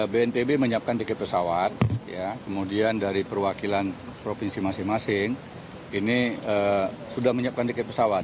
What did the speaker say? bnpb menyiapkan tiket pesawat kemudian dari perwakilan provinsi masing masing ini sudah menyiapkan tiket pesawat